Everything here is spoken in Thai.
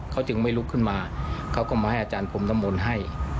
เขาจึงไม่ลุกขึ้นมาเขาก็มาให้อาจารย์พรมน้ำมนต์ให้